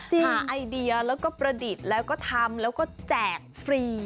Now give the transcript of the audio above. ไอเดียแล้วก็ประดิษฐ์แล้วก็ทำแล้วก็แจกฟรี